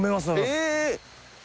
え！